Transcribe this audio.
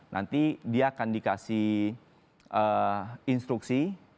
nanti dia akan dikasih instruksi